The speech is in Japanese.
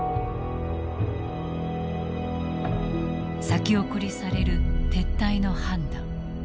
先送りされる撤退の判断。